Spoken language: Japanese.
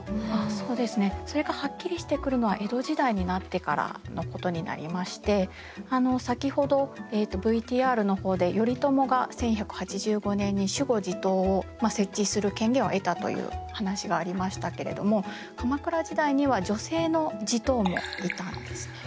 そうですねそれがはっきりしてくるのは江戸時代になってからのことになりまして先ほどＶＴＲの方で頼朝が１１８５年に守護地頭を設置する権限を得たという話がありましたけれども鎌倉時代には女性の地頭もいたんですね。